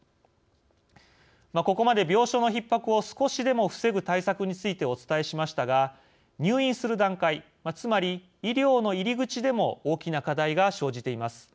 ここまで病床のひっ迫を少しでも防ぐ対策についてお伝えしましたが入院する段階つまり医療の入り口でも大きな課題が生じています。